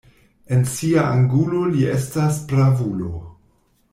En sia angulo li estas bravulo.